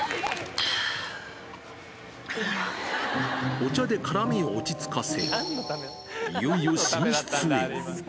お茶で辛みを落ち着かせ、いよいよ寝室へ。